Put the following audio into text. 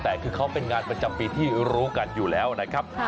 แต่คือเขาเป็นงานประจำปีที่รู้กันอยู่แล้วนะครับ